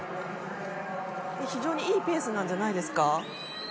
非常にいいペースなんじゃないですか。